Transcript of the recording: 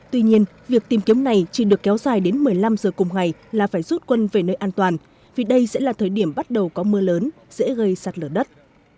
tuy nhiên việc tìm kiếm này chỉ được kéo dài đến một mươi năm giờ cùng ngày là phải rút quân về nơi an toàn vì đây sẽ là thời điểm bắt đầu có mưa lớn dễ gây sạt lở đất